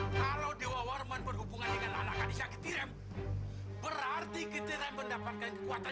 kalau dewa warman berhubungan dengan anak hadisah getirem berarti getirem mendapatkan kekuatan